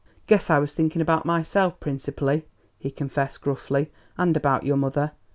"Guess I was thinking about myself principally," he confessed gruffly, "and about your mother.